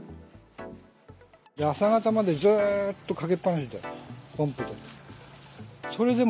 朝方までずっとかけっぱなしで、ポンプで。